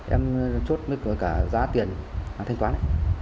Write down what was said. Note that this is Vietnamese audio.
em chốt với cả giá tiền thanh quán